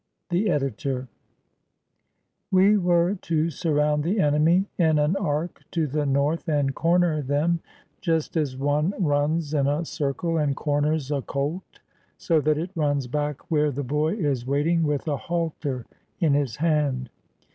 ] We were to surround the enemy in an arc to the north and corner them, just as one runs in a circle and corners a colt so that it runs back where the boy is waiting with a halter in his hand.